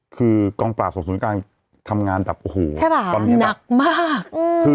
คือกองปราบส่งศูนย์กลางทำงานแบบโอ้โหตอนนี้หนักมาก